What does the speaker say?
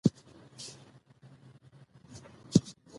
افغانستان کې سرحدونه د چاپېریال د تغیر نښه ده.